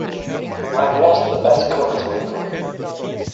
I've lost the best cook to England.